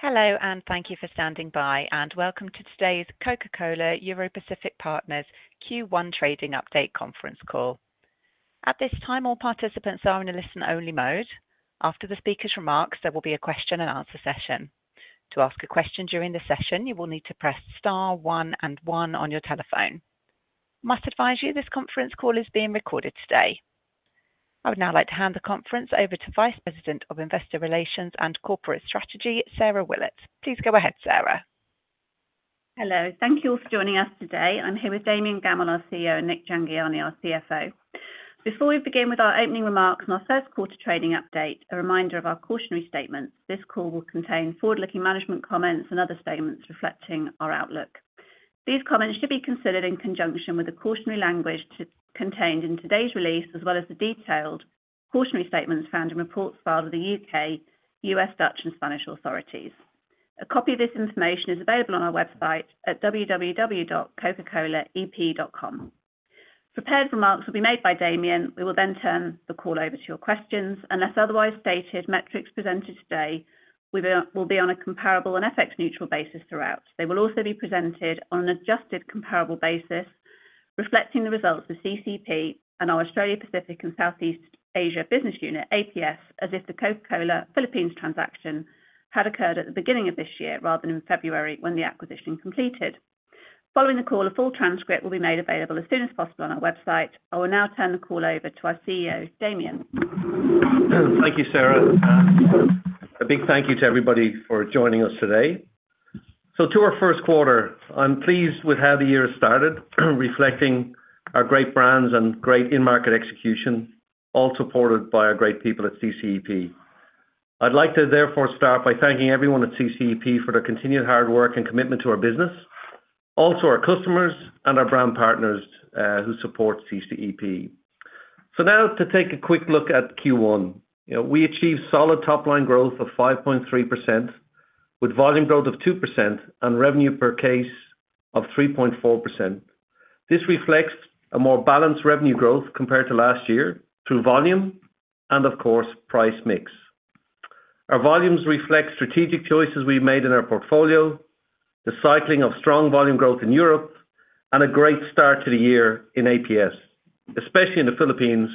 Hello and thank you for standing by, and welcome to today's Coca-Cola Europacific Partners Q1 trading update conference call. At this time, all participants are in a listen-only mode. After the speaker's remarks, there will be a question-and-answer session. To ask a question during the session, you will need to press star one and one on your telephone. I must advise you this conference call is being recorded today. I would now like to hand the conference over to Vice President of Investor Relations and Corporate Strategy, Sarah Willett. Please go ahead, Sarah. Hello. Thank you all for joining us today. I'm here with Damian Gammell, our CEO, and Nik Jhangiani, our CFO. Before we begin with our opening remarks and our first quarter trading update, a reminder of our cautionary statements: this call will contain forward-looking management comments and other statements reflecting our outlook. These comments should be considered in conjunction with the cautionary language contained in today's release as well as the detailed cautionary statements found in reports filed with the U.K., U.S., Dutch, and Spanish authorities. A copy of this information is available on our website at www.cocacolaep.com. Prepared remarks will be made by Damian. We will then turn the call over to your questions. Unless otherwise stated, metrics presented today will be on a comparable and FX-neutral basis throughout. They will also be presented on an adjusted comparable basis, reflecting the results of CCEP and our Australia Pacific and Southeast Asia Business Unit, APS, as if the Coca-Cola Philippines transaction had occurred at the beginning of this year rather than in February when the acquisition completed. Following the call, a full transcript will be made available as soon as possible on our website. I will now turn the call over to our CEO, Damian. Thank you, Sarah. A big thank you to everybody for joining us today. So to our first quarter, I'm pleased with how the year has started, reflecting our great brands and great in-market execution, all supported by our great people at CCEP. I'd like to therefore start by thanking everyone at CCEP for their continued hard work and commitment to our business, also our customers and our brand partners who support CCEP. So now to take a quick look at Q1. We achieved solid top-line growth of 5.3% with volume growth of 2% and revenue per case of 3.4%. This reflects a more balanced revenue growth compared to last year through volume and, of course, price mix. Our volumes reflect strategic choices we've made in our portfolio, the cycling of strong volume growth in Europe, and a great start to the year in APS, especially in the Philippines,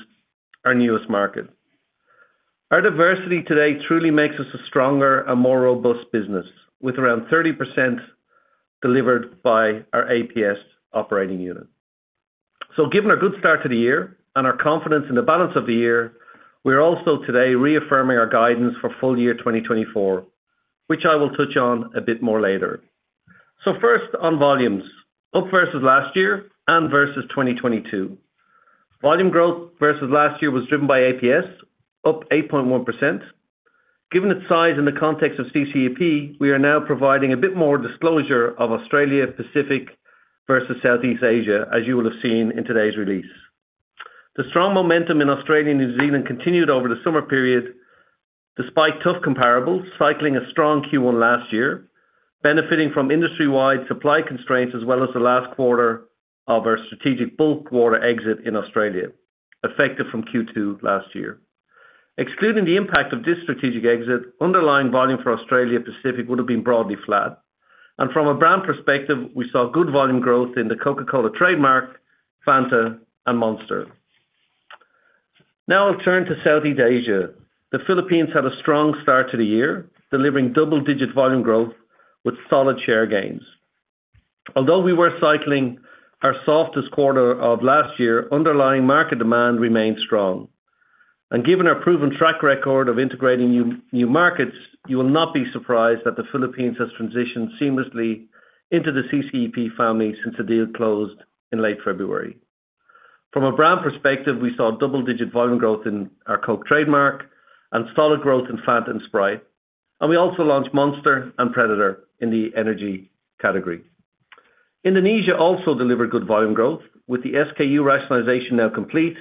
our newest market. Our diversity today truly makes us a stronger and more robust business with around 30% delivered by our APS operating unit. So given our good start to the year and our confidence in the balance of the year, we are also today reaffirming our guidance for full year 2024, which I will touch on a bit more later. So first, on volumes, up versus last year and versus 2022. Volume growth versus last year was driven by APS, up 8.1%. Given its size in the context of CCEP, we are now providing a bit more disclosure of Australia Pacific versus Southeast Asia, as you will have seen in today's release. The strong momentum in Australia and New Zealand continued over the summer period despite tough comparables, cycling a strong Q1 last year, benefiting from industry-wide supply constraints as well as the last quarter of our strategic bulk water exit in Australia, effective from Q2 last year. Excluding the impact of this strategic exit, underlying volume for Australia Pacific would have been broadly flat. And from a brand perspective, we saw good volume growth in the Coca-Cola trademark, Fanta, and Monster. Now I'll turn to Southeast Asia. The Philippines had a strong start to the year, delivering double-digit volume growth with solid share gains. Although we were cycling our softest quarter of last year, underlying market demand remained strong. And given our proven track record of integrating new markets, you will not be surprised that the Philippines has transitioned seamlessly into the CCEP family since the deal closed in late February. From a brand perspective, we saw double-digit volume growth in our Coke trademark and solid growth in Fanta and Sprite. We also launched Monster and Predator in the energy category. Indonesia also delivered good volume growth with the SKU rationalization now complete,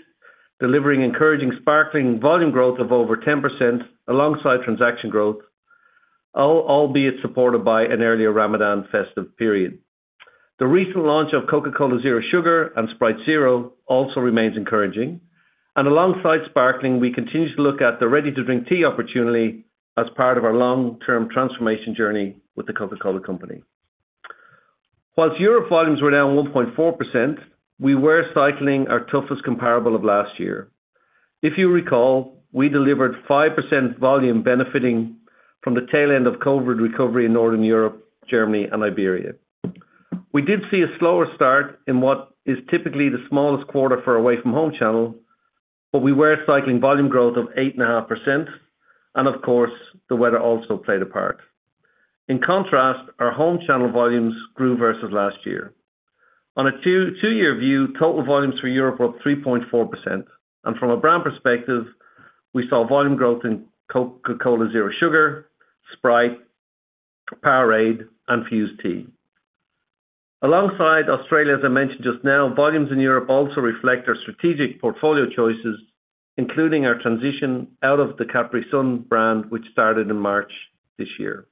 delivering encouraging, Sparkling volume growth of over 10% alongside transaction growth, albeit supported by an earlier Ramadan festive period. The recent launch of Coca-Cola Zero Sugar and Sprite Zero also remains encouraging. Alongside Sparkling, we continue to look at the ready-to-drink tea opportunity as part of our long-term transformation journey with the Coca-Cola Company. While Europe volumes were down 1.4%, we were cycling our toughest comparable of last year. If you recall, we delivered 5% volume benefiting from the tail end of COVID recovery in Northern Europe, Germany, and Iberia. We did see a slower start in what is typically the smallest quarter for away-from-home channel, but we were cycling volume growth of 8.5%. Of course, the weather also played a part. In contrast, our home channel volumes grew versus last year. On a two-year view, total volumes for Europe were up 3.4%. From a brand perspective, we saw volume growth in Coca-Cola Zero Sugar, Sprite, Powerade, and Fuze Tea. Alongside Australia, as I mentioned just now, volumes in Europe also reflect our strategic portfolio choices, including our transition out of the Capri-Sun brand, which started in March this year.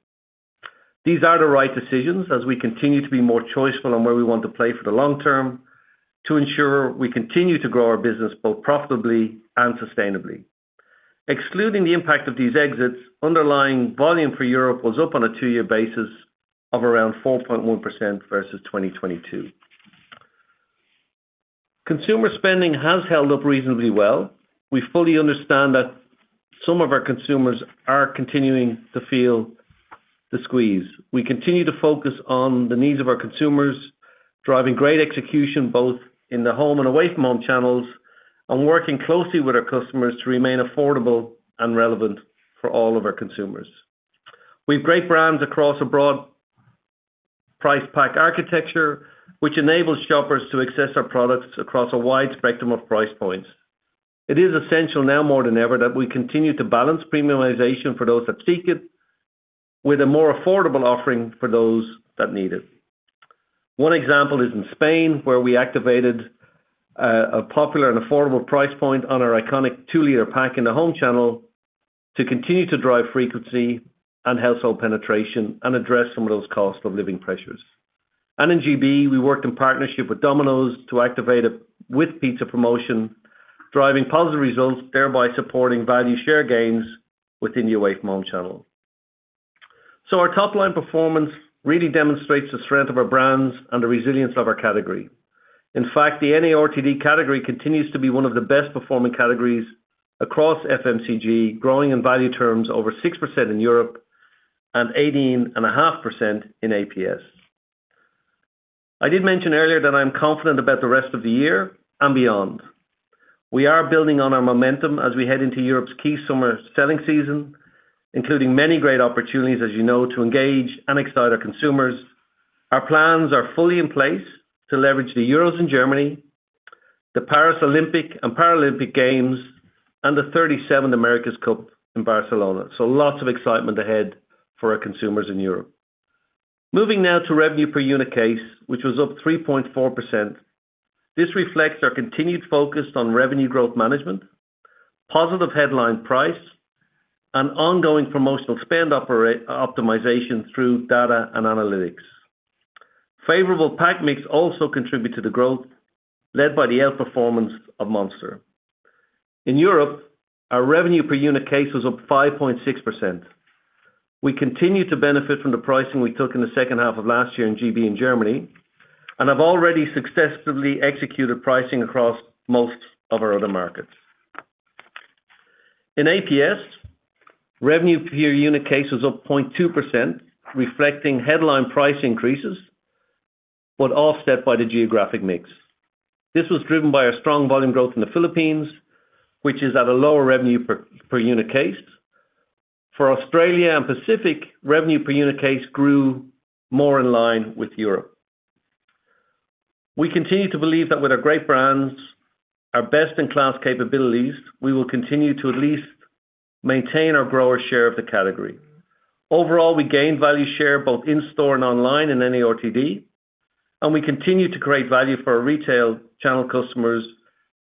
These are the right decisions as we continue to be more choiceful on where we want to play for the long term to ensure we continue to grow our business both profitably and sustainably. Excluding the impact of these exits, underlying volume for Europe was up on a two-year basis of around 4.1% versus 2022. Consumer spending has held up reasonably well. We fully understand that some of our consumers are continuing to feel the squeeze. We continue to focus on the needs of our consumers, driving great execution both in the home and away-from-home channels, and working closely with our customers to remain affordable and relevant for all of our consumers. We have great brands across a broad price pack architecture, which enables shoppers to access our products across a wide spectrum of price points. It is essential now more than ever that we continue to balance premiumization for those that seek it with a more affordable offering for those that need it. One example is in Spain, where we activated a popular and affordable price point on our iconic two-liter pack in the home channel to continue to drive frequency and household penetration and address some of those cost of living pressures. And in GB, we worked in partnership with Domino's to activate it with pizza promotion, driving positive results, thereby supporting value share gains within the away-from-home channel. So our top-line performance really demonstrates the strength of our brands and the resilience of our category. In fact, the NARTD category continues to be one of the best-performing categories across FMCG, growing in value terms over 6% in Europe and 18.5% in APS. I did mention earlier that I'm confident about the rest of the year and beyond. We are building on our momentum as we head into Europe's key summer selling season, including many great opportunities, as you know, to engage and excite our consumers. Our plans are fully in place to leverage the Euros in Germany, the Paris Olympic and Paralympic Games, and the 37th America's Cup in Barcelona. So lots of excitement ahead for our consumers in Europe. Moving now to revenue per unit case, which was up 3.4%, this reflects our continued focus on revenue growth management, positive headline price, and ongoing promotional spend optimization through data and analytics. Favorable pack mix also contributed to the growth led by the outperformance of Monster. In Europe, our revenue per unit case was up 5.6%. We continue to benefit from the pricing we took in the second half of last year in GB and Germany and have already successfully executed pricing across most of our other markets. In APS, revenue per unit case was up 0.2%, reflecting headline price increases but offset by the geographic mix. This was driven by our strong volume growth in the Philippines, which is at a lower revenue per unit case. For Australia and Pacific, revenue per unit case grew more in line with Europe. We continue to believe that with our great brands, our best-in-class capabilities, we will continue to at least maintain our grower share of the category. Overall, we gained value share both in-store and online in NARTD. We continue to create value for our retail channel customers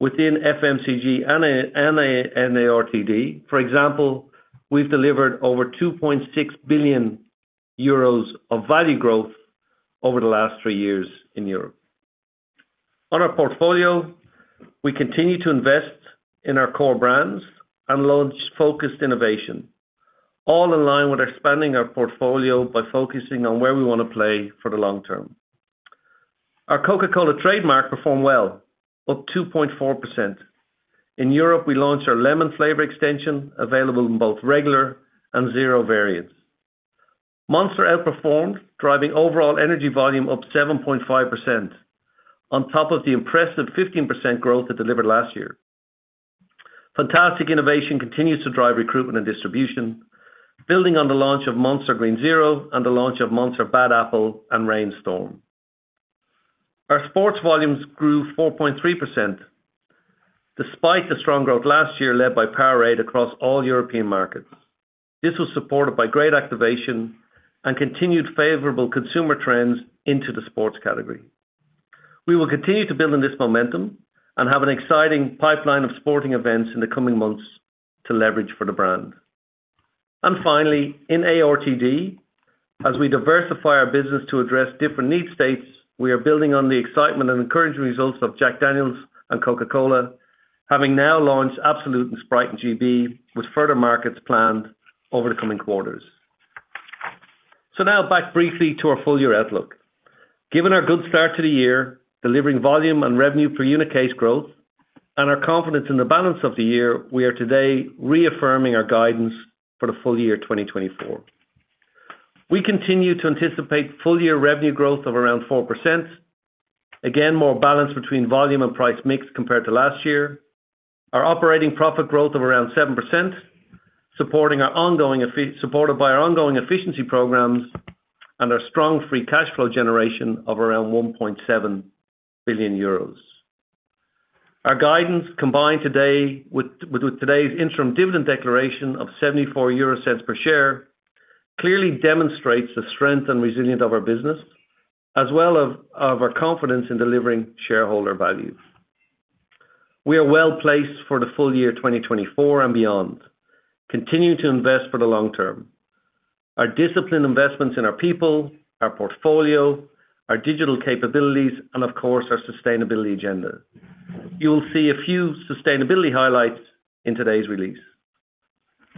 within FMCG and NARTD. For example, we've delivered over 2.6 billion euros of value growth over the last three years in Europe. On our portfolio, we continue to invest in our core brands and launch focused innovation, all in line with expanding our portfolio by focusing on where we want to play for the long term. Our Coca-Cola trademark performed well, up 2.4%. In Europe, we launched our lemon-flavor extension available in both regular and zero variants. Monster outperformed, driving overall energy volume up 7.5% on top of the impressive 15% growth it delivered last year. Fantastic innovation continues to drive recruitment and distribution, building on the launch of Monster Green Zero and the launch of Monster Bad Apple and REIGN Storm. Our sports volumes grew 4.3% despite the strong growth last year led by Powerade across all European markets. This was supported by great activation and continued favorable consumer trends into the sports category. We will continue to build on this momentum and have an exciting pipeline of sporting events in the coming months to leverage for the brand. Finally, in ARTD, as we diversify our business to address different need states, we are building on the excitement and encouraging results of Jack Daniel's and Coca-Cola, having now launched Absolut and Sprite in GB with further markets planned over the coming quarters. Now back briefly to our full-year outlook. Given our good start to the year, delivering volume and revenue per unit case growth, and our confidence in the balance of the year, we are today reaffirming our guidance for the full year 2024. We continue to anticipate full-year revenue growth of around 4%, again more balance between volume and price mix compared to last year, our operating profit growth of around 7% supported by our ongoing efficiency programs, and our strong free cash flow generation of around 1.7 billion euros. Our guidance, combined today with today's interim dividend declaration of 0.74 per share, clearly demonstrates the strength and resilience of our business as well as our confidence in delivering shareholder value. We are well placed for the full year 2024 and beyond, continuing to invest for the long term, our disciplined investments in our people, our portfolio, our digital capabilities, and of course, our sustainability agenda. You will see a few sustainability highlights in today's release.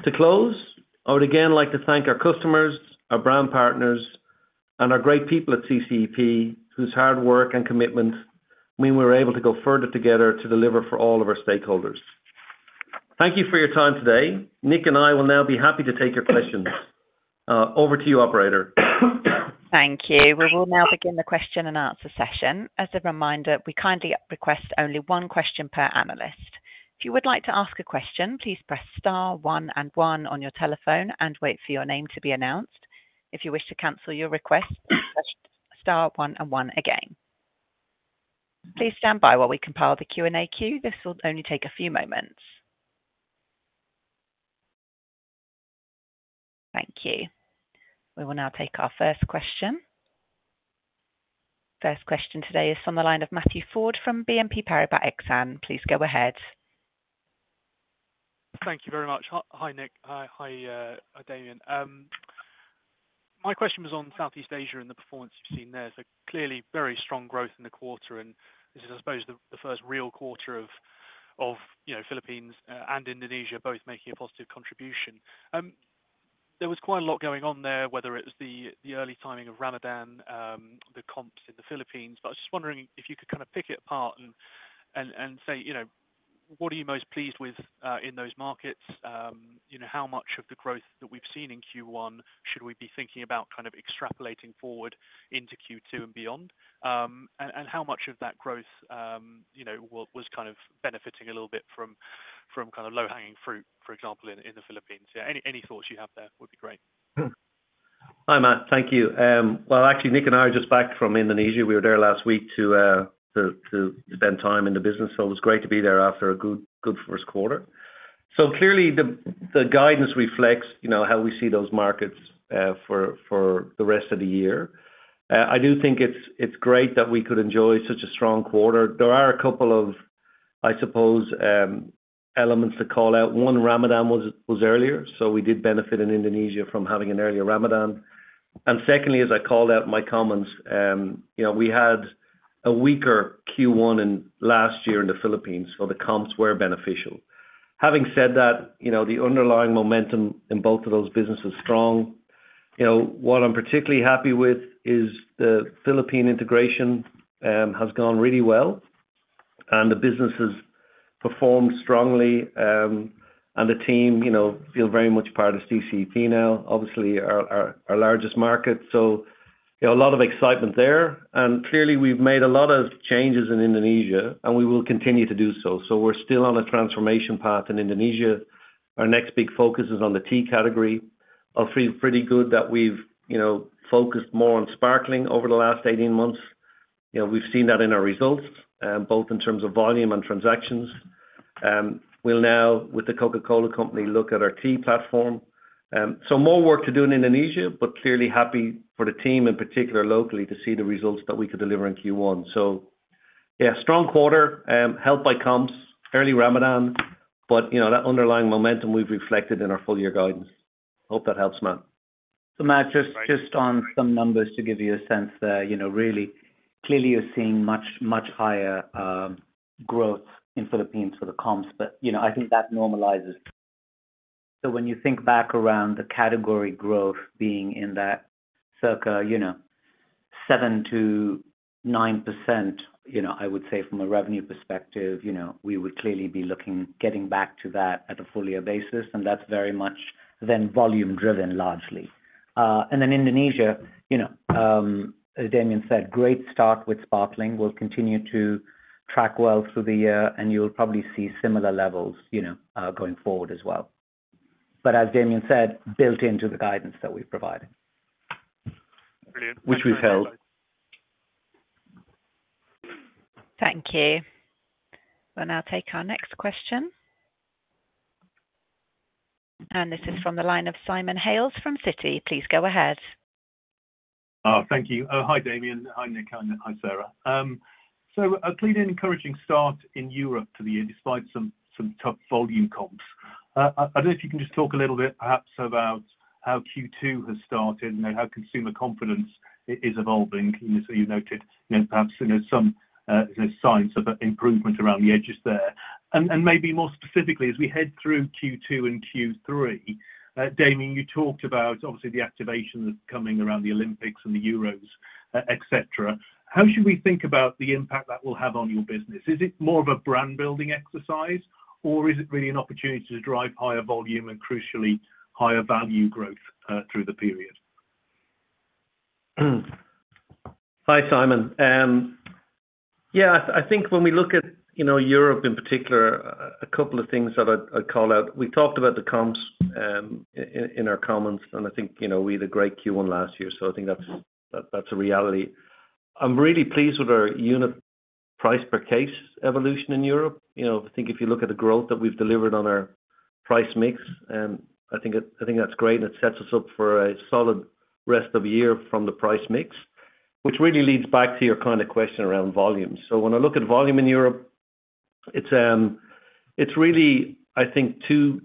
To close, I would again like to thank our customers, our brand partners, and our great people at CCEP whose hard work and commitment mean we're able to go further together to deliver for all of our stakeholders. Thank you for your time today. Nik and I will now be happy to take your questions. Over to you, operator. Thank you. We will now begin the question and answer session. As a reminder, we kindly request only one question per analyst. If you would like to ask a question, please press star one and one on your telephone and wait for your name to be announced. If you wish to cancel your request, press star one and one again. Please stand by while we compile the Q&A queue. This will only take a few moments. Thank you. We will now take our first question. First question today is from the line of Matthew Ford from BNP Paribas Exane. Please go ahead. Thank you very much. Hi, Nik. Hi, Damian. My question was on Southeast Asia and the performance you've seen there. So clearly, very strong growth in the quarter. And this is, I suppose, the first real quarter of Philippines and Indonesia both making a positive contribution. There was quite a lot going on there, whether it was the early timing of Ramadan, the comps in the Philippines. But I was just wondering if you could kind of pick it apart and say, what are you most pleased with in those markets? How much of the growth that we've seen in Q1 should we be thinking about kind of extrapolating forward into Q2 and beyond? And how much of that growth was kind of benefiting a little bit from kind of low-hanging fruit, for example, in the Philippines? Yeah, any thoughts you have there would be great. Hi, Matt. Thank you. Well, actually, Nik and I are just back from Indonesia. We were there last week to spend time in the business. So it was great to be there after a good first quarter. So clearly, the guidance reflects how we see those markets for the rest of the year. I do think it's great that we could enjoy such a strong quarter. There are a couple of, I suppose, elements to call out. One, Ramadan was earlier. So we did benefit in Indonesia from having an earlier Ramadan. And secondly, as I called out in my comments, we had a weaker Q1 last year in the Philippines. So the comps were beneficial. Having said that, the underlying momentum in both of those businesses is strong. What I'm particularly happy with is the Philippine integration has gone really well. And the business has performed strongly. The team feel very much part of CCEP now, obviously, our largest market. A lot of excitement there. Clearly, we've made a lot of changes in Indonesia. We will continue to do so. We're still on a transformation path in Indonesia. Our next big focus is on the tea category. I'll feel pretty good that we've focused more on Sparkling over the last 18 months. We've seen that in our results, both in terms of volume and transactions. We'll now, with the Coca-Cola Company, look at our tea platform. More work to do in Indonesia. But clearly, happy for the team in particular locally to see the results that we could deliver in Q1. Yeah, strong quarter, helped by comps, early Ramadan. That underlying momentum, we've reflected in our full-year guidance. Hope that helps, Matt. So Matt, just on some numbers to give you a sense there, really, clearly, you're seeing much, much higher growth in Philippines for the comps. But I think that normalizes. So when you think back around the category growth being in that circa 7%-9%, I would say, from a revenue perspective, we would clearly be getting back to that at a full-year basis. And that's very much then volume-driven largely. And in Indonesia, as Damian said, great start with Sparkling. We'll continue to track well through the year. And you'll probably see similar levels going forward as well. But as Damian said, built into the guidance that we've provided, which we've held. Thank you. We'll now take our next question. And this is from the line of Simon Hales from Citi. Please go ahead. Thank you. Hi, Damian. Hi, Nik. And hi, Sarah. So a clearly encouraging start in Europe for the year despite some tough volume comps. I don't know if you can just talk a little bit, perhaps, about how Q2 has started and how consumer confidence is evolving. So you noted perhaps some signs of improvement around the edges there. And maybe more specifically, as we head through Q2 and Q3, Damian, you talked about, obviously, the activation that's coming around the Olympics and the Euros, etc. How should we think about the impact that will have on your business? Is it more of a brand-building exercise? Or is it really an opportunity to drive higher volume and, crucially, higher value growth through the period? Hi, Simon. Yeah, I think when we look at Europe in particular, a couple of things that I'd call out. We talked about the comps in our comments. And I think we had a great Q1 last year. So I think that's a reality. I'm really pleased with our unit price per case evolution in Europe. I think if you look at the growth that we've delivered on our price mix, I think that's great. And it sets us up for a solid rest of the year from the price mix, which really leads back to your kind of question around volume. So when I look at volume in Europe, it's really, I think, two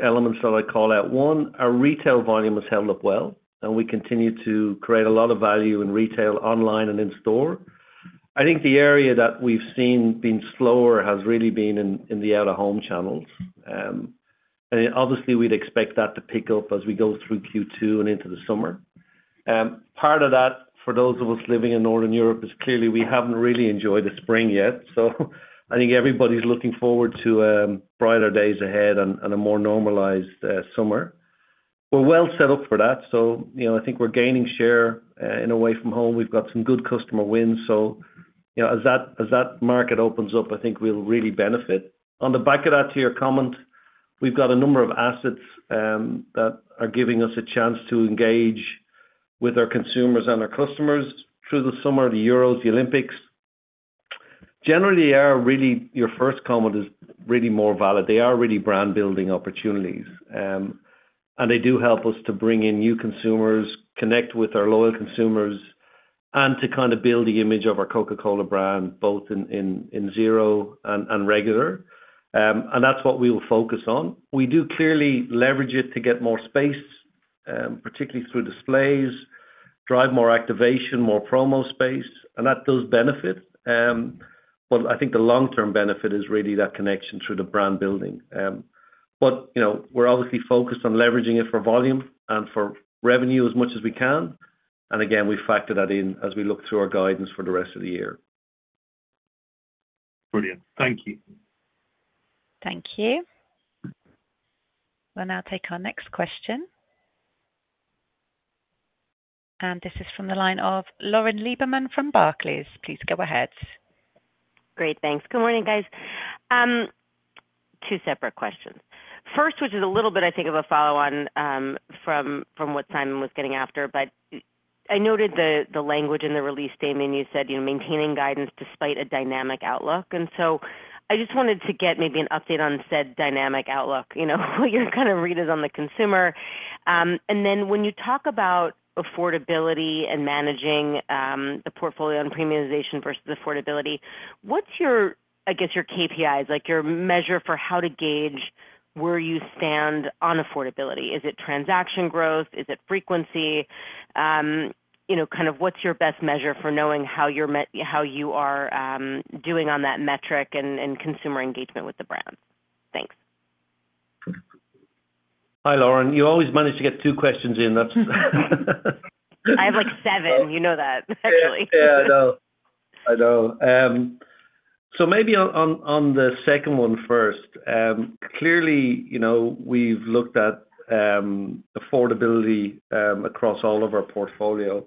elements that I call out. One, our retail volume has held up well. And we continue to create a lot of value in retail, online, and in-store. I think the area that we've seen being slower has really been in the out-of-home channels. Obviously, we'd expect that to pick up as we go through Q2 and into the summer. Part of that, for those of us living in Northern Europe, is clearly, we haven't really enjoyed the spring yet. I think everybody's looking forward to brighter days ahead and a more normalized summer. We're well set up for that. I think we're gaining share in away from home. We've got some good customer wins. So as that market opens up, I think we'll really benefit. On the back of that to your comment, we've got a number of assets that are giving us a chance to engage with our consumers and our customers through the summer, the Euros, the Olympics. Generally, your first comment is really more valid. They are really brand-building opportunities. They do help us to bring in new consumers, connect with our loyal consumers, and to kind of build the image of our Coca-Cola brand both in Zero and regular. That's what we will focus on. We do clearly leverage it to get more space, particularly through displays, drive more activation, more promo space. That does benefit. But I think the long-term benefit is really that connection through the brand building. But we're obviously focused on leveraging it for volume and for revenue as much as we can. Again, we factor that in as we look through our guidance for the rest of the year. Brilliant. Thank you. Thank you. We'll now take our next question. This is from the line of Lauren Lieberman from Barclays. Please go ahead. Great. Thanks. Good morning, guys. Two separate questions. First, which is a little bit, I think, of a follow-on from what Simon was getting after. But I noted the language in the release, Damian. You said maintaining guidance despite a dynamic outlook. And so I just wanted to get maybe an update on said dynamic outlook, what your kind of read is on the consumer. And then when you talk about affordability and managing the portfolio and premiumization versus affordability, what's, I guess, your KPIs, your measure for how to gauge where you stand on affordability? Is it transaction growth? Is it frequency? Kind of what's your best measure for knowing how you are doing on that metric and consumer engagement with the brand? Thanks. Hi, Lauren. You always manage to get two questions in. I have seven. You know that, actually. Yeah. I know. I know. So maybe on the second one first. Clearly, we've looked at affordability across all of our portfolio.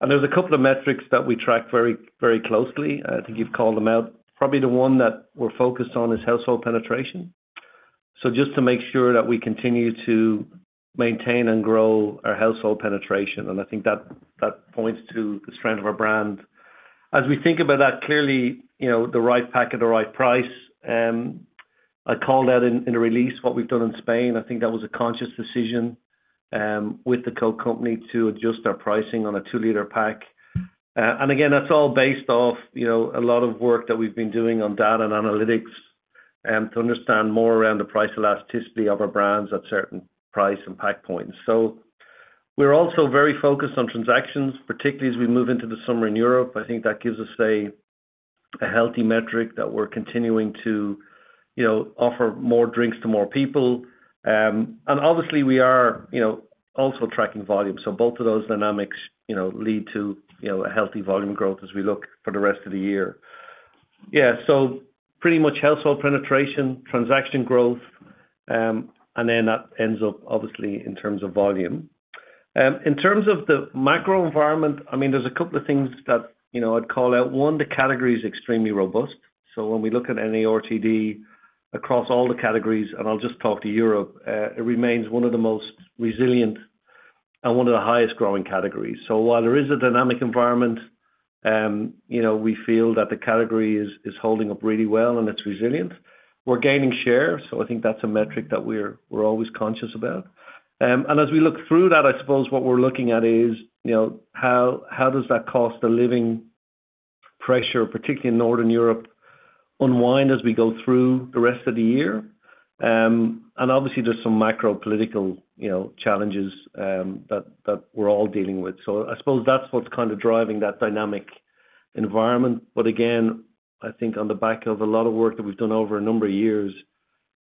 And there's a couple of metrics that we track very, very closely. I think you've called them out. Probably the one that we're focused on is household penetration. So just to make sure that we continue to maintain and grow our household penetration. And I think that points to the strength of our brand. As we think about that, clearly, the right pack at the right price. I called out in the release what we've done in Spain. I think that was a conscious decision with the Coke Company to adjust our pricing on a 2 L pack. And again, that's all based off a lot of work that we've been doing on data and analytics to understand more around the price elasticity of our brands at certain price and pack points. So we're also very focused on transactions, particularly as we move into the summer in Europe. I think that gives us a healthy metric that we're continuing to offer more drinks to more people. And obviously, we are also tracking volume. So both of those dynamics lead to a healthy volume growth as we look for the rest of the year. Yeah, so pretty much household penetration, transaction growth. And then that ends up, obviously, in terms of volume. In terms of the macro environment, I mean, there's a couple of things that I'd call out. One, the category is extremely robust. So when we look at NARTD across all the categories - and I'll just talk to Europe - it remains one of the most resilient and one of the highest-growing categories. While there is a dynamic environment, we feel that the category is holding up really well. It's resilient. We're gaining share. I think that's a metric that we're always conscious about. As we look through that, I suppose what we're looking at is, how does that cost of living pressure, particularly in Northern Europe, unwind as we go through the rest of the year? Obviously, there's some macropolitical challenges that we're all dealing with. I suppose that's what's kind of driving that dynamic environment. Again, I think on the back of a lot of work that we've done over a number of years,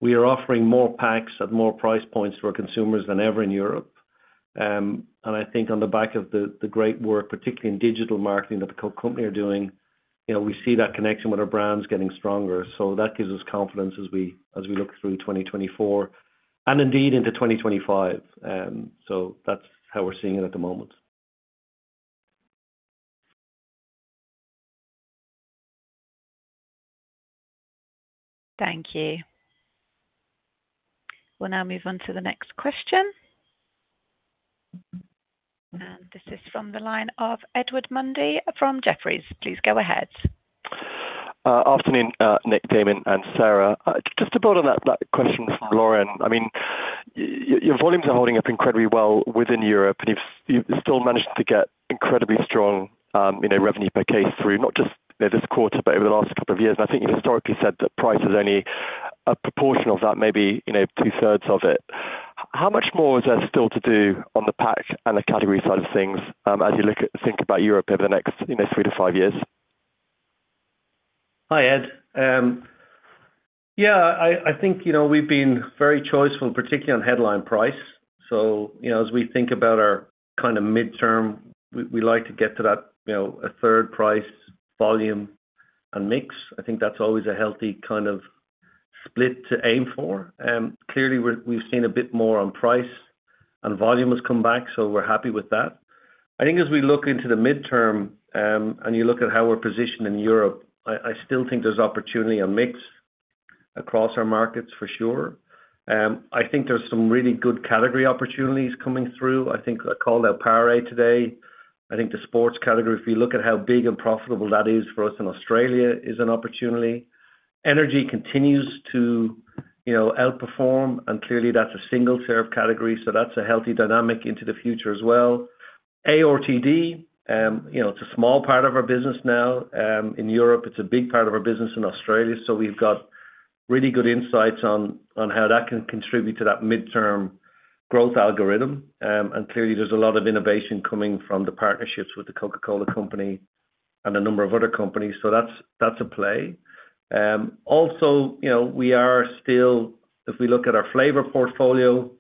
we are offering more packs at more price points to our consumers than ever in Europe. I think on the back of the great work, particularly in digital marketing that the Coke Company are doing, we see that connection with our brands getting stronger. That gives us confidence as we look through 2024 and indeed into 2025. That's how we're seeing it at the moment. Thank you. We'll now move on to the next question. This is from the line of Edward Mundy from Jefferies. Please go ahead. Afternoon, Nik, Damian, and Sarah. Just a bit on that question from Lauren. I mean, your volumes are holding up incredibly well within Europe. You've still managed to get incredibly strong revenue per case through, not just this quarter, but over the last couple of years. I think you've historically said that price is only a proportion of that, maybe 2/3 of it. How much more is there still to do on the pack and the category side of things as you think about Europe over the next three to five years? Hi, Ed. Yeah, I think we've been very choiceful, particularly on headline price. So as we think about our kind of midterm, we like to get to that 1/3 price volume and mix. I think that's always a healthy kind of split to aim for. Clearly, we've seen a bit more on price. And volume has come back. So we're happy with that. I think as we look into the midterm and you look at how we're positioned in Europe, I still think there's opportunity on mix across our markets, for sure. I think there's some really good category opportunities coming through. I think I called out Powerade today. I think the sports category, if you look at how big and profitable that is for us in Australia, is an opportunity. Energy continues to outperform. And clearly, that's a single-serve category. So that's a healthy dynamic into the future as well. ARTD, it's a small part of our business now in Europe. It's a big part of our business in Australia. So we've got really good insights on how that can contribute to that midterm growth algorithm. And clearly, there's a lot of innovation coming from the partnerships with the Coca-Cola Company and a number of other companies. So that's a play. Also, we are still if we look at our flavor portfolio,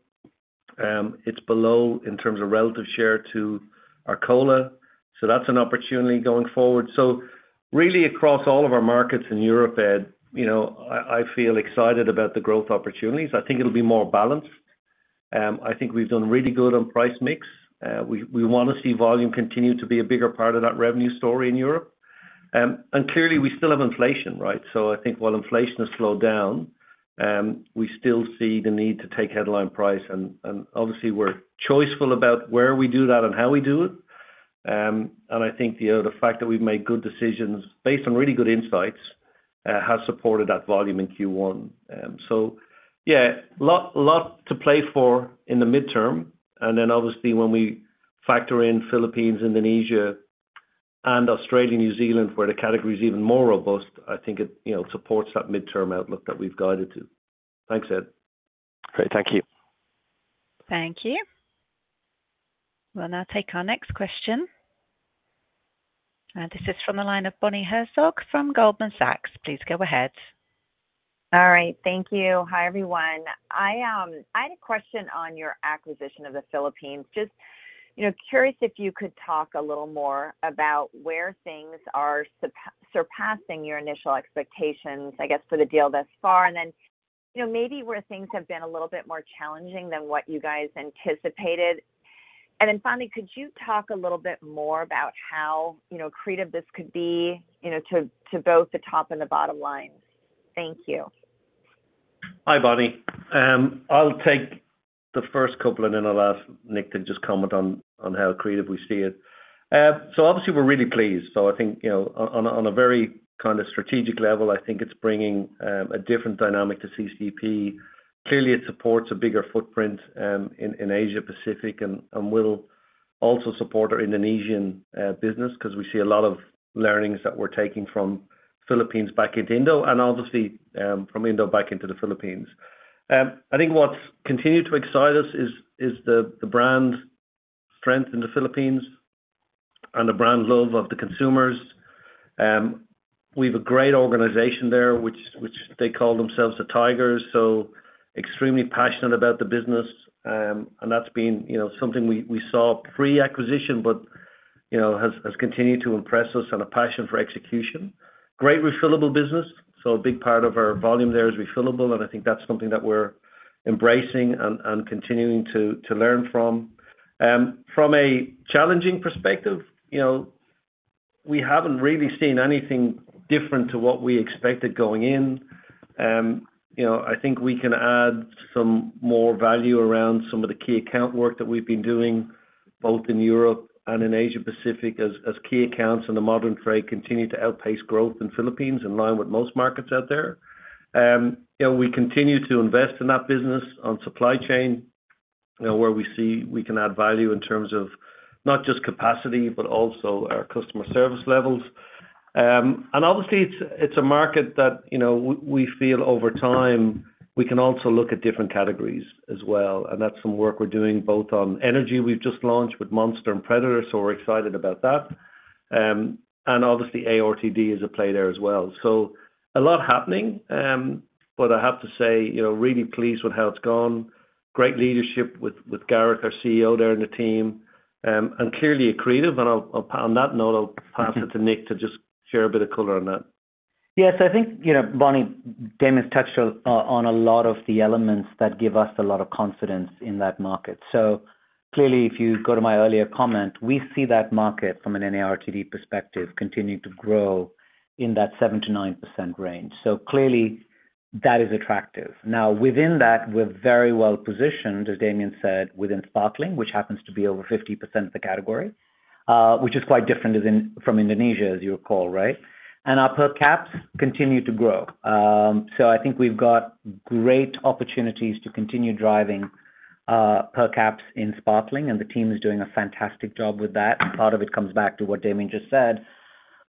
it's below in terms of relative share to our cola. So that's an opportunity going forward. So really, across all of our markets in Europe, Ed, I feel excited about the growth opportunities. I think it'll be more balanced. I think we've done really good on price mix. We want to see volume continue to be a bigger part of that revenue story in Europe. Clearly, we still have inflation, right? So I think while inflation has slowed down, we still see the need to take headline price. And obviously, we're choiceful about where we do that and how we do it. And I think the fact that we've made good decisions based on really good insights has supported that volume in Q1. So yeah, a lot to play for in the medium term. And then obviously, when we factor in Philippines, Indonesia, and Australia, New Zealand, where the category is even more robust, I think it supports that medium-term outlook that we've guided to. Thanks, Ed. Great. Thank you. Thank you. We'll now take our next question. This is from the line of Bonnie Herzog from Goldman Sachs. Please go ahead. All right. Thank you. Hi, everyone. I had a question on your acquisition of the Philippines. Just curious if you could talk a little more about where things are surpassing your initial expectations, I guess, for the deal thus far. And then maybe where things have been a little bit more challenging than what you guys anticipated. And then finally, could you talk a little bit more about how creative this could be to both the top and the bottom lines? Thank you. Hi, Bonnie. I'll take the first couple. Then I'll ask Nik to just comment on how creative we see it. Obviously, we're really pleased. I think on a very kind of strategic level, I think it's bringing a different dynamic to CCEP. Clearly, it supports a bigger footprint in Asia-Pacific and will also support our Indonesian business because we see a lot of learnings that we're taking from Philippines back into Indo and obviously, from Indo back into the Philippines. I think what's continued to excite us is the brand strength in the Philippines and the brand love of the consumers. We have a great organization there, which they call themselves the Tigers. Extremely passionate about the business. That's been something we saw pre-acquisition but has continued to impress us and a passion for execution. Great refillable business. A big part of our volume there is refillable. I think that's something that we're embracing and continuing to learn from. From a challenging perspective, we haven't really seen anything different to what we expected going in. I think we can add some more value around some of the key account work that we've been doing both in Europe and in Asia-Pacific as key accounts and the modern trade continue to outpace growth in Philippines in line with most markets out there. We continue to invest in that business on supply chain where we can add value in terms of not just capacity but also our customer service levels. Obviously, it's a market that we feel over time, we can also look at different categories as well. That's some work we're doing both on energy. We've just launched with Monster and Predator. So we're excited about that. And obviously, ARTD is a play there as well. So a lot happening. But I have to say, really pleased with how it's gone. Great leadership with Gareth, our CEO, there in the team. And clearly, accretive. And on that note, I'll pass it to Nik to just share a bit of color on that. Yeah. So I think, Bonnie, Damian's touched on a lot of the elements that give us a lot of confidence in that market. So clearly, if you go to my earlier comment, we see that market from an NARTD perspective continuing to grow in that 7%-9% range. So clearly, that is attractive. Now, within that, we're very well positioned, as Damian said, within Sparkling, which happens to be over 50% of the category, which is quite different from Indonesia, as you recall, right? And our per caps continue to grow. So I think we've got great opportunities to continue driving per caps in Sparkling. And the team is doing a fantastic job with that. Part of it comes back to what Damian just said,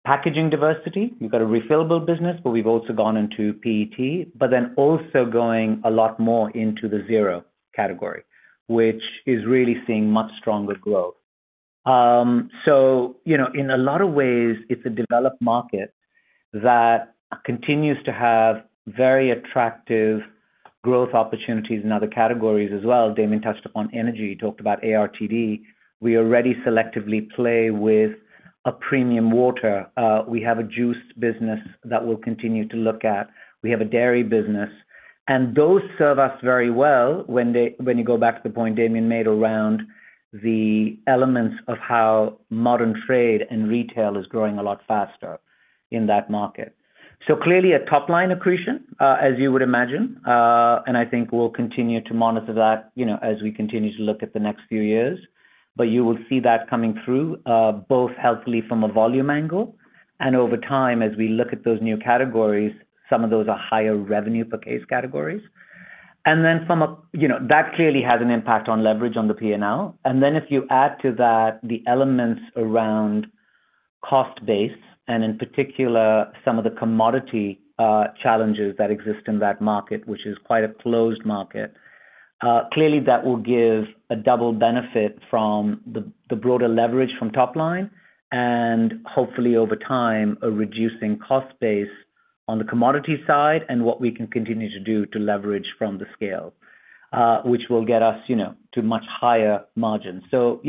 packaging diversity. We've got a refillable business. But we've also gone into PET but then also going a lot more into the zero category, which is really seeing much stronger growth. So in a lot of ways, it's a developed market that continues to have very attractive growth opportunities in other categories as well. Damian touched upon energy. He talked about ARTD. We already selectively play with a premium water. We have a juice business that we'll continue to look at. We have a dairy business. And those serve us very well when you go back to the point Damian made around the elements of how modern trade and retail is growing a lot faster in that market. So clearly, a top-line accretion, as you would imagine. And I think we'll continue to monitor that as we continue to look at the next few years. But you will see that coming through, both healthily from a volume angle and over time, as we look at those new categories, some of those are higher revenue-per-case categories. And then from that clearly has an impact on leverage on the P&L. And then if you add to that the elements around cost base and in particular, some of the commodity challenges that exist in that market, which is quite a closed market, clearly, that will give a double benefit from the broader leverage from top line and hopefully, over time, a reducing cost base on the commodity side and what we can continue to do to leverage from the scale, which will get us to much higher margins. So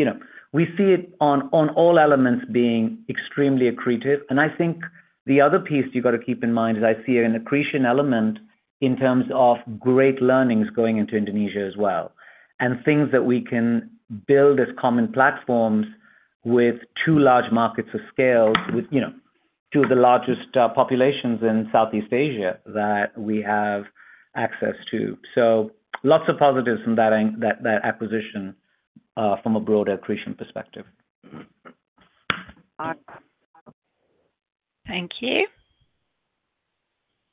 we see it on all elements being extremely accretive. And I think the other piece you've got to keep in mind is I see an accretion element in terms of great learnings going into Indonesia as well and things that we can build as common platforms with two large markets of scale, two of the largest populations in Southeast Asia that we have access to. So lots of positives from that acquisition from a broader accretion perspective. Thank you.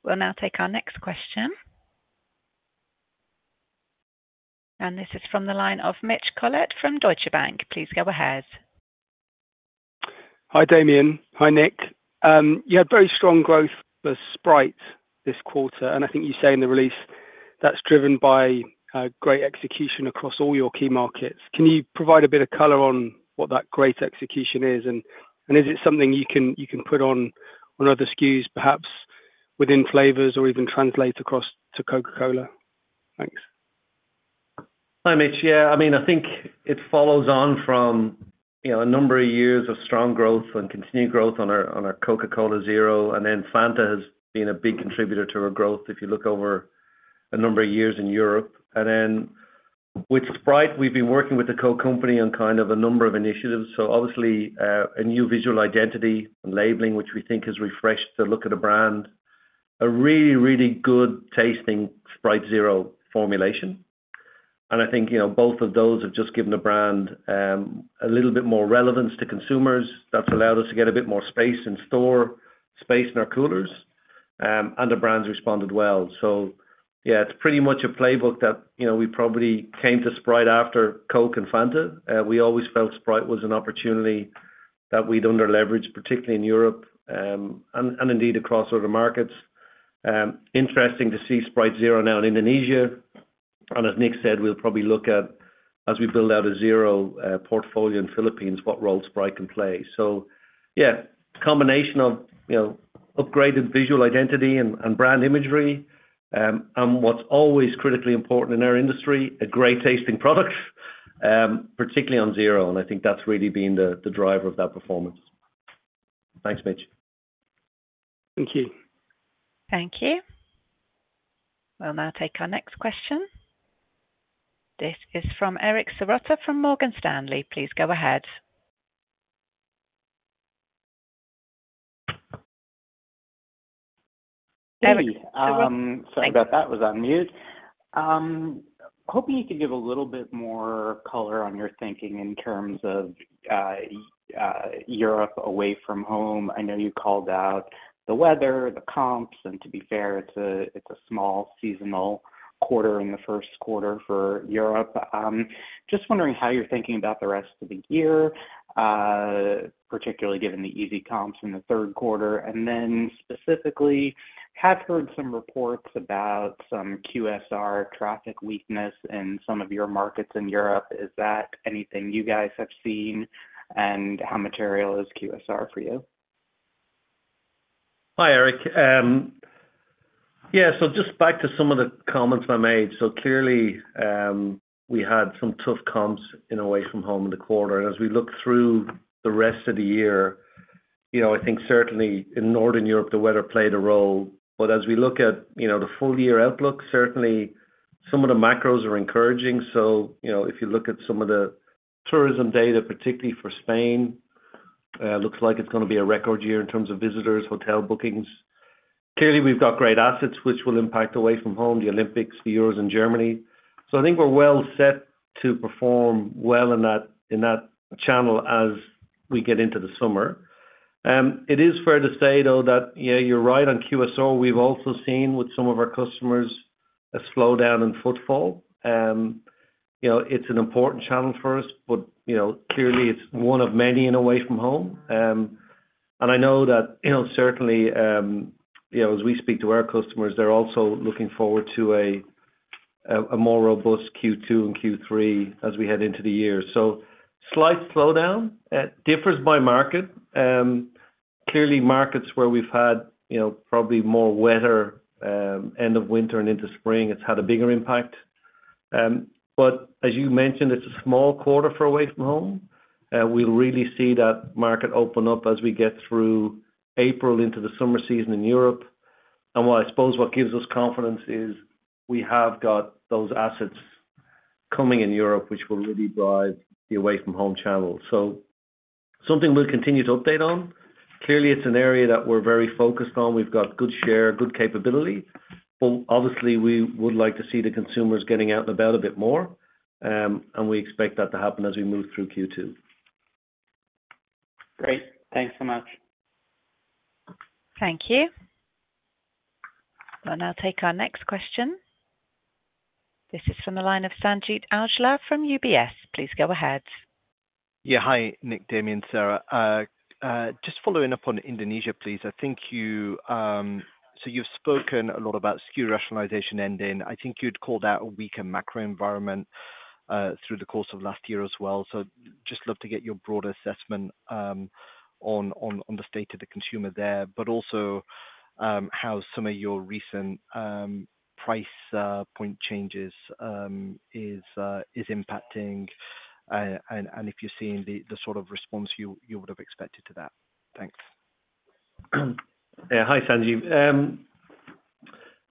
We'll now take our next question. This is from the line of Mitch Collett from Deutsche Bank. Please go ahead. Hi, Damian. Hi, Nik. You had very strong growth for Sprite this quarter. And I think you say in the release that's driven by great execution across all your key markets. Can you provide a bit of color on what that great execution is? And is it something you can put on other SKUs, perhaps within flavors or even translate across to Coca-Cola? Thanks. Hi, Mitch. Yeah. I mean, I think it follows on from a number of years of strong growth and continued growth on our Coca-Cola Zero. And then Fanta has been a big contributor to our growth if you look over a number of years in Europe. And then with Sprite, we've been working with the Coke company on kind of a number of initiatives. So obviously, a new visual identity and labeling, which we think has refreshed the look of the brand, a really, really good-tasting Sprite Zero formulation. And I think both of those have just given the brand a little bit more relevance to consumers. That's allowed us to get a bit more in-store space in our coolers. And the brand's responded well. So yeah, it's pretty much a playbook that we probably came to Sprite after Coke and Fanta. We always felt Sprite was an opportunity that we'd under-leverage, particularly in Europe and indeed across other markets. Interesting to see Sprite Zero now in Indonesia. And as Nik said, we'll probably look at, as we build out a zero portfolio in Philippines, what role Sprite can play. So yeah, combination of upgraded visual identity and brand imagery and what's always critically important in our industry, a great-tasting product, particularly on zero. And I think that's really been the driver of that performance. Thanks, Mitch. Thank you. Thank you. We'll now take our next question. This is from Eric Serotta from Morgan Stanley. Please go ahead. Hey. Sorry about that. Was that muted? Hoping you could give a little bit more color on your thinking in terms of Europe away from home. I know you called out the weather, the comps. And to be fair, it's a small seasonal quarter in the first quarter for Europe. Just wondering how you're thinking about the rest of the year, particularly given the easy comps in the third quarter. And then specifically, have heard some reports about some QSR traffic weakness in some of your markets in Europe. Is that anything you guys have seen? And how material is QSR for you? Hi, Eric. Yeah. So just back to some of the comments I made. So clearly, we had some tough comps in away-from-home in the quarter. And as we look through the rest of the year, I think certainly, in Northern Europe, the weather played a role. But as we look at the full-year outlook, certainly, some of the macros are encouraging. So if you look at some of the tourism data, particularly for Spain, looks like it's going to be a record year in terms of visitors, hotel bookings. Clearly, we've got great assets, which will impact away-from-home, the Olympics, the Euros, and Germany. So I think we're well set to perform well in that channel as we get into the summer. It is fair to say, though, that yeah, you're right on QSR. We've also seen with some of our customers a slowdown and footfall. It's an important channel for us. But clearly, it's one of many in Away-from-Home. And I know that certainly, as we speak to our customers, they're also looking forward to a more robust Q2 and Q3 as we head into the year. So slight slowdown. It differs by market. Clearly, markets where we've had probably more wetter end of winter and into spring, it's had a bigger impact. But as you mentioned, it's a small quarter for Away-from-Home. We'll really see that market open up as we get through April into the summer season in Europe. And well, I suppose what gives us confidence is we have got those assets coming in Europe, which will really drive the Away-from-Home channel. So something we'll continue to update on. Clearly, it's an area that we're very focused on. We've got good share, good capability. But obviously, we would like to see the consumers getting out and about a bit more. We expect that to happen as we move through Q2. Great. Thanks so much. Thank you. We'll now take our next question. This is from the line of Sanjeet Aujla from UBS. Please go ahead. Yeah. Hi, Nik, Damian, Sarah. Just following up on Indonesia, please. I think you've spoken a lot about SKU rationalization ending. I think you'd called out a weaker macro environment through the course of last year as well. So just love to get your broader assessment on the state of the consumer there but also how some of your recent price point changes is impacting and if you're seeing the sort of response you would have expected to that. Thanks. Yeah. Hi, Sanjeet.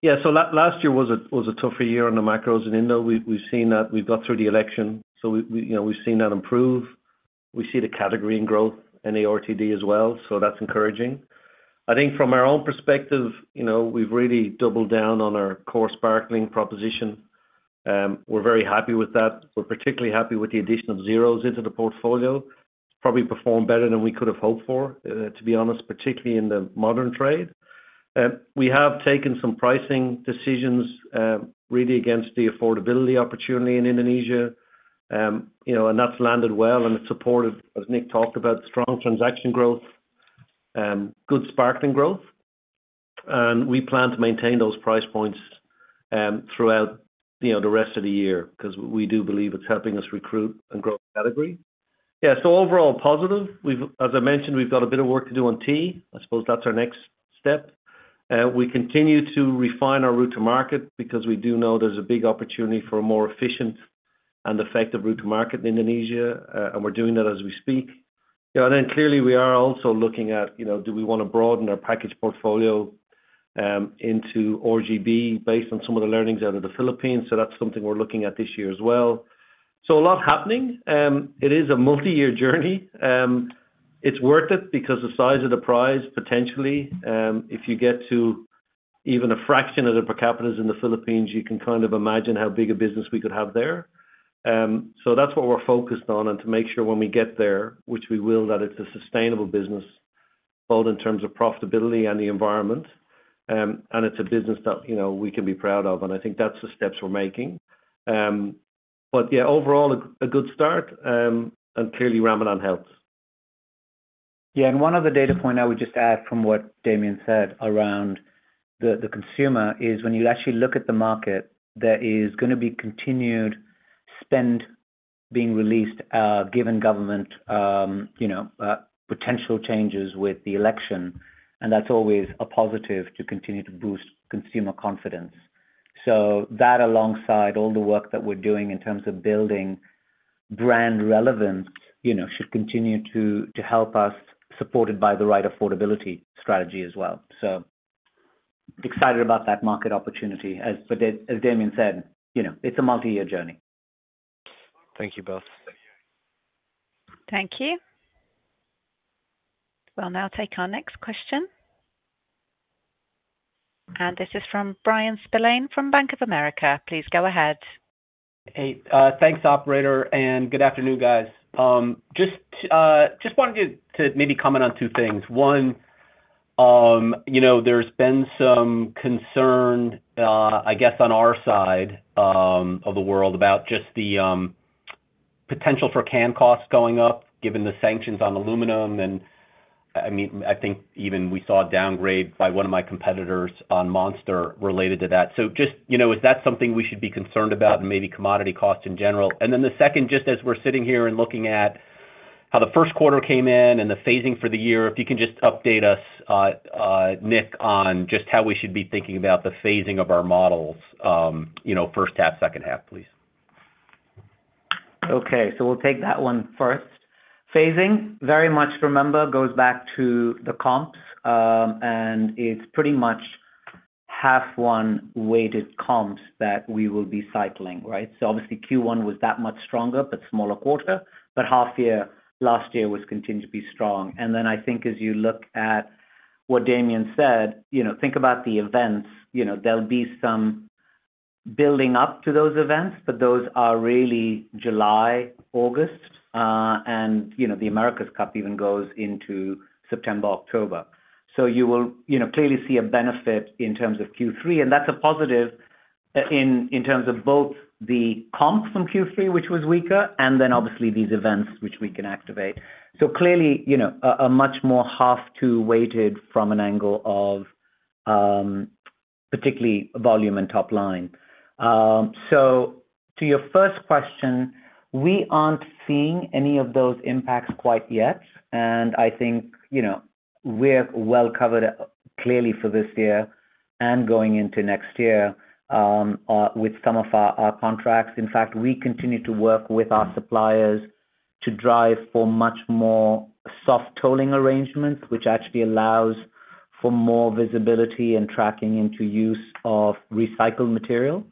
Yeah. So last year was a tougher year on the macros in Indo. We've seen that. We've got through the election. So we've seen that improve. We see the category in growth in ARTD as well. So that's encouraging. I think from our own perspective, we've really doubled down on our core Sparkling proposition. We're very happy with that. We're particularly happy with the addition of zeros into the portfolio. It's probably performed better than we could have hoped for, to be honest, particularly in the modern trade. We have taken some pricing decisions really against the affordability opportunity in Indonesia. And that's landed well. And it's supported, as Nik talked about, strong transaction growth, good Sparkling growth. And we plan to maintain those price points throughout the rest of the year because we do believe it's helping us recruit and grow the category. Yeah. So overall, positive. As I mentioned, we've got a bit of work to do on tea. I suppose that's our next step. We continue to refine our route to market because we do know there's a big opportunity for a more efficient and effective route to market in Indonesia. And we're doing that as we speak. And then clearly, we are also looking at, do we want to broaden our package portfolio into RGB based on some of the learnings out of the Philippines? So that's something we're looking at this year as well. So a lot happening. It is a multi-year journey. It's worth it because the size of the prize, potentially, if you get to even a fraction of the per capita in the Philippines, you can kind of imagine how big a business we could have there. So that's what we're focused on and to make sure when we get there, which we will, that it's a sustainable business both in terms of profitability and the environment. And it's a business that we can be proud of. And I think that's the steps we're making. But yeah, overall, a good start. And clearly, Ramadan helps. Yeah. And one other data point I would just add from what Damian said around the consumer is when you actually look at the market, there is going to be continued spend being released given government potential changes with the election. And that's always a positive to continue to boost consumer confidence. So that alongside all the work that we're doing in terms of building brand relevance should continue to help us, supported by the right affordability strategy as well. So excited about that market opportunity. But as Damian said, it's a multi-year journey. Thank you both. Thank you. We'll now take our next question. This is from Bryan Spillane from Bank of America. Please go ahead. Hey. Thanks, operator. And good afternoon, guys. Just wanted to maybe comment on two things. One, there's been some concern, I guess, on our side of the world about just the potential for can costs going up given the sanctions on aluminum. And I mean, I think even we saw a downgrade by one of my competitors on Monster related to that. So, is that something we should be concerned about and maybe commodity costs in general? And then the second, just as we're sitting here and looking at how the first quarter came in and the phasing for the year, if you can just update us, Nik, on just how we should be thinking about the phasing of our models, first half, second half, please. Okay. So we'll take that one first. Phasing, very much remember, goes back to the comps. And it's pretty much half-one weighted comps that we will be cycling, right? So obviously, Q1 was that much stronger but smaller quarter. But half-year last year was continued to be strong. And then I think as you look at what Damian said, think about the events. There'll be some building up to those events. But those are really July, August. And the America's Cup event goes into September, October. So you will clearly see a benefit in terms of Q3. And that's a positive in terms of both the comps from Q3, which was weaker, and then obviously these events, which we can activate. So clearly, a much more half-two weighted from an angle of particularly volume and top line. So to your first question, we aren't seeing any of those impacts quite yet. And I think we're well covered clearly for this year and going into next year with some of our contracts. In fact, we continue to work with our suppliers to drive for much more soft-tolling arrangements, which actually allows for more visibility and tracking into use of recycled material,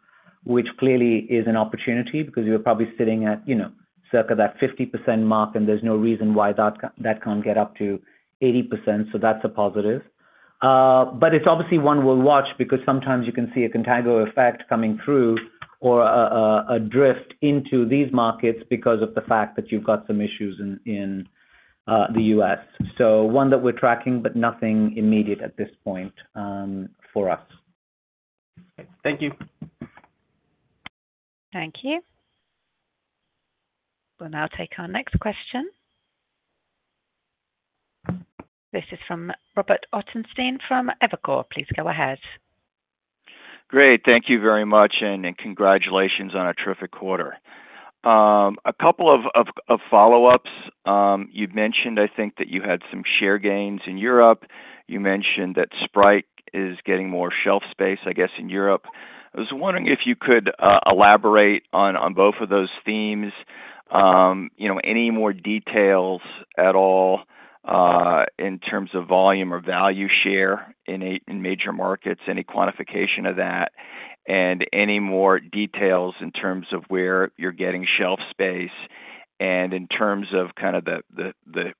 which clearly is an opportunity because you're probably sitting at circa that 50% mark. And there's no reason why that can't get up to 80%. So that's a positive. But it's obviously one we'll watch because sometimes you can see a contagious effect coming through or a drift into these markets because of the fact that you've got some issues in the U.S. So one that we're tracking but nothing immediate at this point for us. Thank you. Thank you. We'll now take our next question. This is from Robert Ottenstein from Evercore. Please go ahead. Great. Thank you very much. Congratulations on a terrific quarter. A couple of follow-ups. You've mentioned, I think, that you had some share gains in Europe. You mentioned that Sprite is getting more shelf space, I guess, in Europe. I was wondering if you could elaborate on both of those themes, any more details at all in terms of volume or value share in major markets, any quantification of that, and any more details in terms of where you're getting shelf space and in terms of kind of the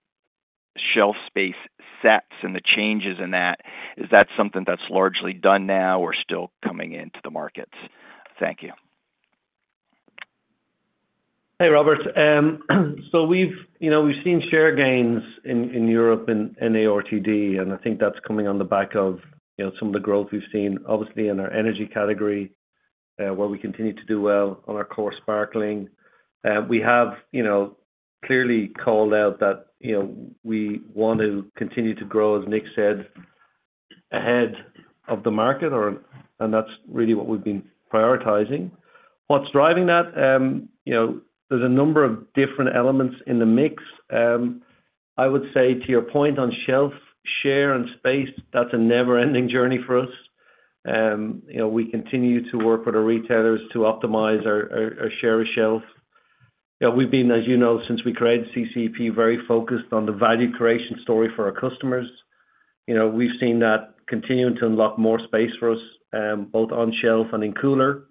shelf space sets and the changes in that. Is that something that's largely done now or still coming into the markets? Thank you. Hey, Robert. So we've seen share gains in Europe in ARTD. And I think that's coming on the back of some of the growth we've seen, obviously, in our energy category where we continue to do well on our core Sparkling. We have clearly called out that we want to continue to grow, as Nik said, ahead of the market. And that's really what we've been prioritizing. What's driving that? There's a number of different elements in the mix. I would say to your point on shelf share and space, that's a never-ending journey for us. We continue to work with our retailers to optimize our share of shelf. We've been, as you know, since we created CCEP, very focused on the value creation story for our customers. We've seen that continue to unlock more space for us both on shelf and in cooler.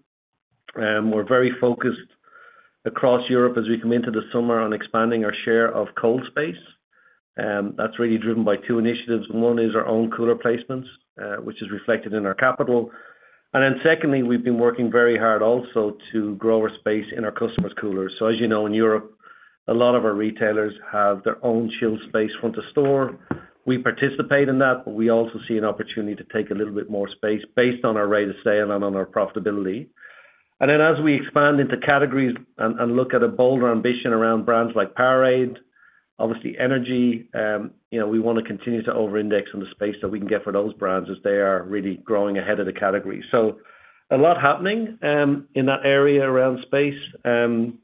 We're very focused across Europe as we come into the summer on expanding our share of cold space. That's really driven by two initiatives. One is our own cooler placements, which is reflected in our capital. And then secondly, we've been working very hard also to grow our space in our customers' coolers. So as you know, in Europe, a lot of our retailers have their own chilled space front of store. We participate in that. But we also see an opportunity to take a little bit more space based on our rate of sale and on our profitability. And then as we expand into categories and look at a bolder ambition around brands like Powerade, obviously, energy, we want to continue to over-index on the space that we can get for those brands as they are really growing ahead of the category. So a lot happening in that area around space. And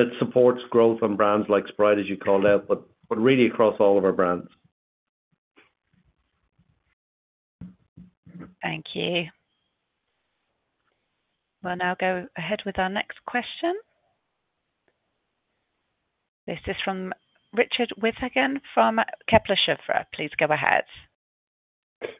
it supports growth on brands like Sprite, as you called out, but really across all of our brands. Thank you. We'll now go ahead with our next question. This is from Richard Withagen from Kepler Cheuvreux. Please go ahead.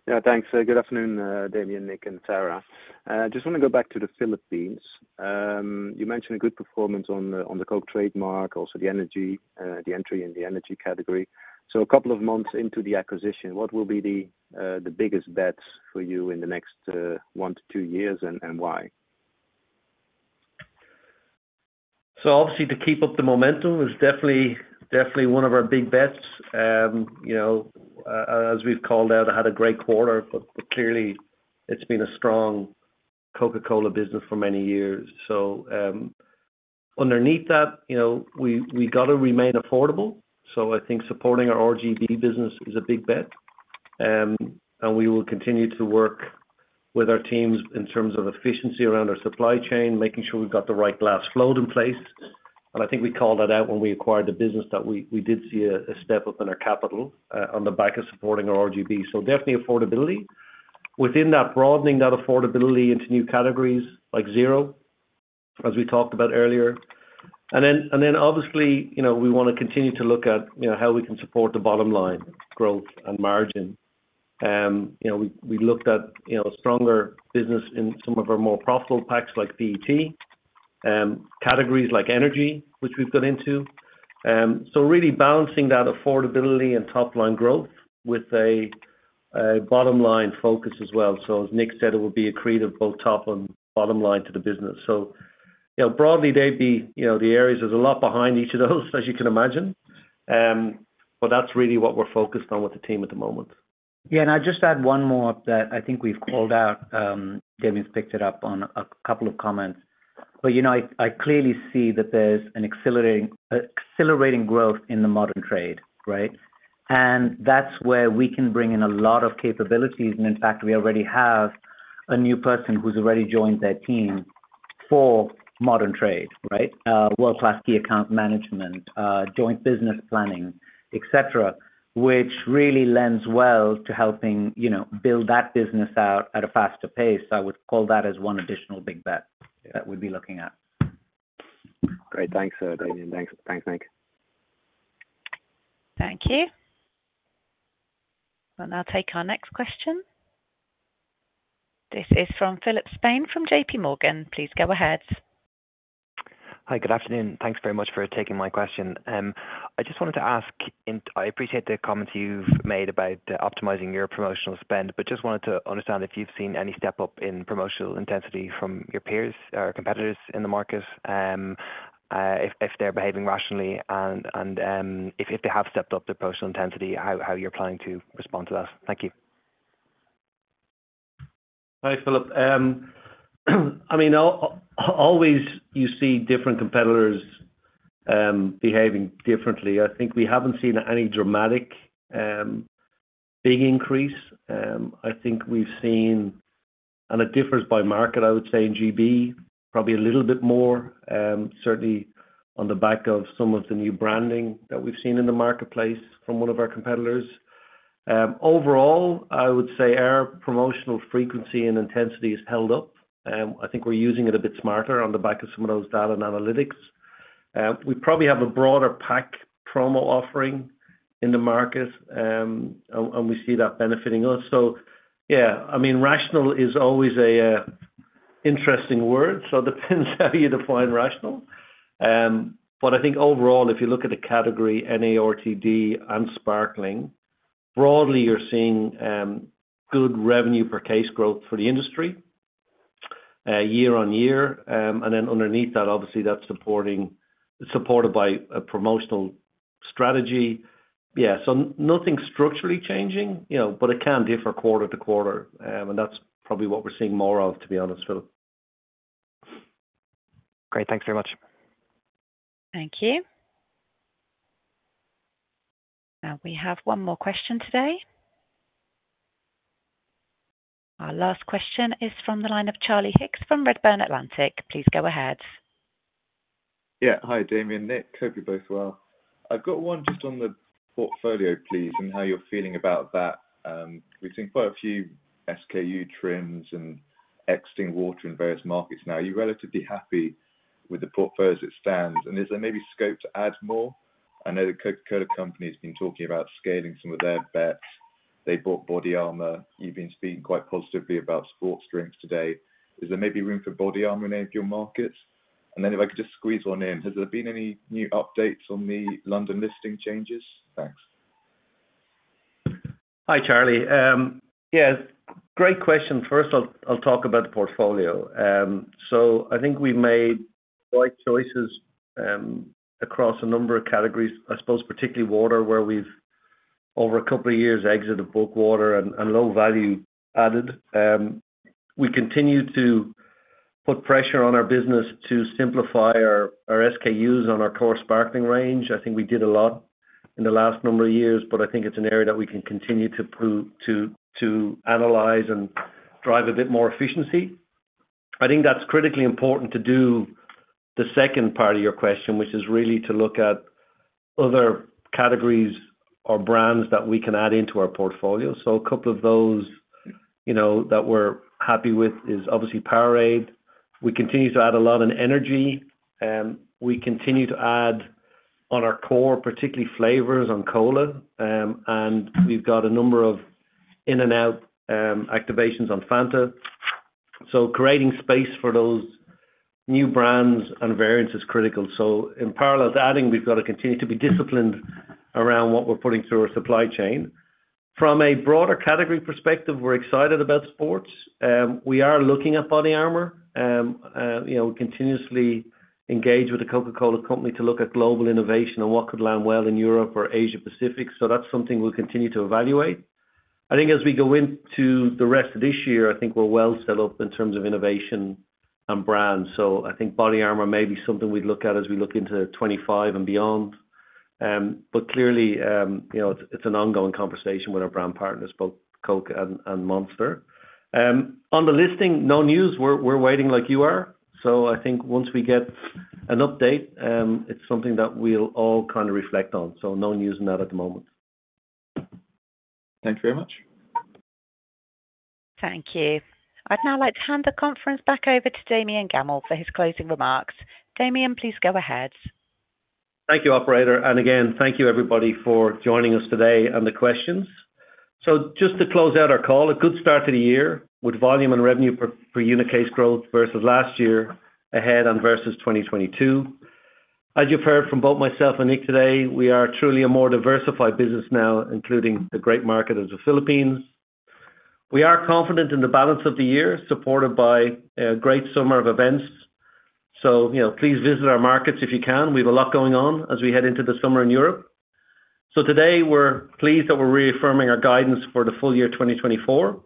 Yeah. Thanks. Good afternoon, Damian, Nik, and Sarah. I just want to go back to the Philippines. You mentioned a good performance on the Coke trademark, also the energy, the entry in the energy category. So a couple of months into the acquisition, what will be the biggest bets for you in the next one to two years and why? So obviously, to keep up the momentum is definitely one of our big bets. As we've called out, it had a great quarter. But clearly, it's been a strong Coca-Cola business for many years. So underneath that, we got to remain affordable. So I think supporting our RGB business is a big bet. And we will continue to work with our teams in terms of efficiency around our supply chain, making sure we've got the right glass float in place. And I think we called that out when we acquired the business that we did see a step up in our capital on the back of supporting our RGB. So definitely affordability. Within that, broadening that affordability into new categories like zero, as we talked about earlier. And then obviously, we want to continue to look at how we can support the bottom line, growth, and margin. We looked at a stronger business in some of our more profitable packs like PET, categories like energy, which we've got into. So really balancing that affordability and top-line growth with a bottom-line focus as well. So as Nik said, it will be accretive both top and bottom line to the business. So broadly, they'd be the areas there's a lot behind each of those, as you can imagine. But that's really what we're focused on with the team at the moment. Yeah. And I'll just add one more that I think we've called out. Damian's picked it up on a couple of comments. But I clearly see that there's an accelerating growth in the modern trade, right? And that's where we can bring in a lot of capabilities. And in fact, we already have a new person who's already joined their team for modern trade, right, world-class key account management, joint business planning, etc., which really lends well to helping build that business out at a faster pace. So I would call that as one additional big bet that we'd be looking at. Great. Thanks, Damian. Thanks, Nik. Thank you. We'll now take our next question. This is from Philip Spain from JPMorgan. Please go ahead. Hi. Good afternoon. Thanks very much for taking my question. I just wanted to ask. I appreciate the comments you've made about optimizing your promotional spend, but just wanted to understand if you've seen any step up in promotional intensity from your peers or competitors in the markets, if they're behaving rationally, and if they have stepped up their promotional intensity, how you're planning to respond to that. Thank you. Hi, Philip. I mean, always, you see different competitors behaving differently. I think we haven't seen any dramatic big increase. I think we've seen and it differs by market, I would say, in GB, probably a little bit more, certainly on the back of some of the new branding that we've seen in the marketplace from one of our competitors. Overall, I would say our promotional frequency and intensity has held up. I think we're using it a bit smarter on the back of some of those data and analytics. We probably have a broader pack promo offering in the market. And we see that benefiting us. So yeah, I mean, rational is always an interesting word. So it depends how you define rational. But I think overall, if you look at the category NARTD and Sparkling, broadly, you're seeing good revenue per case growth for the industry year-on-year. And then underneath that, obviously, that's supported by a promotional strategy. Yeah. So nothing structurally changing. But it can differ quarter-to-quarter. And that's probably what we're seeing more of, to be honest, Philip. Great. Thanks very much. Thank you. Now, we have one more question today. Our last question is from the line of Charlie Higgs from Redburn Atlantic. Please go ahead. Yeah. Hi, Damian, Nik. Hope you're both well. I've got one just on the portfolio, please, and how you're feeling about that. We've seen quite a few SKU trims and exiting water in various markets now. Are you relatively happy with the portfolio as it stands? And is there maybe scope to add more? I know the Coca-Cola Company has been talking about scaling some of their bets. They bought Body Armor. You've been speaking quite positively about sports drinks today. Is there maybe room for Body Armor in any of your markets? And then if I could just squeeze one in, has there been any new updates on the London listing changes? Thanks. Hi, Charlie. Yeah. Great question. First, I'll talk about the portfolio. So I think we've made right choices across a number of categories, I suppose, particularly water where we've, over a couple of years, exited of bulk water and low value added. We continue to put pressure on our business to simplify our SKUs on our core Sparkling range. I think we did a lot in the last number of years. But I think it's an area that we can continue to analyze and drive a bit more efficiency. I think that's critically important to do the second part of your question, which is really to look at other categories or brands that we can add into our portfolio. So a couple of those that we're happy with is obviously Powerade. We continue to add a lot in energy. We continue to add on our core, particularly flavors on cola. We've got a number of in-and-out activations on Fanta. Creating space for those new brands and variants is critical. In parallel to adding, we've got to continue to be disciplined around what we're putting through our supply chain. From a broader category perspective, we're excited about sports. We are looking at Body Armor. We continuously engage with the Coca-Cola Company to look at global innovation and what could land well in Europe or Asia-Pacific. That's something we'll continue to evaluate. I think as we go into the rest of this year, I think we're well set up in terms of innovation and brands. I think Body Armor may be something we'd look at as we look into 2025 and beyond. But clearly, it's an ongoing conversation with our brand partners, both Coke and Monster. On the listing, no news. We're waiting like you are. So I think once we get an update, it's something that we'll all kind of reflect on. So no news in that at the moment. Thanks very much. Thank you. I'd now like to hand the conference back over to Damian Gammell for his closing remarks. Damian, please go ahead. Thank you, operator. Again, thank you, everybody, for joining us today and the questions. Just to close out our call, a good start to the year with volume and revenue per unit case growth versus last year ahead and versus 2022. As you've heard from both myself and Nik today, we are truly a more diversified business now, including the great market of the Philippines. We are confident in the balance of the year supported by a great summer of events. Please visit our markets if you can. We have a lot going on as we head into the summer in Europe. Today, we're pleased that we're reaffirming our guidance for the full year 2024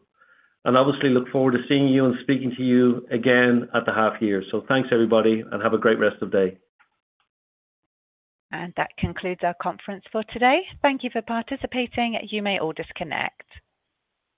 and obviously look forward to seeing you and speaking to you again at the half-year. Thanks, everybody. Have a great rest of day. That concludes our conference for today. Thank you for participating. You may all disconnect.